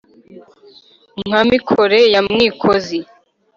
Nka Mikore ya Mwikozi*